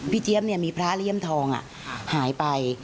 พี่เจี๊ยมเนี่ยมีพระเหลี่ยมทองอ่ะหายไป